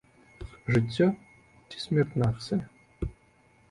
Жыццё ці смерць нацыі?